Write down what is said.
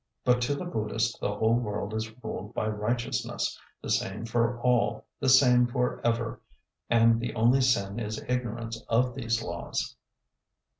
But to the Buddhist the whole world is ruled by righteousness, the same for all, the same for ever, and the only sin is ignorance of these laws.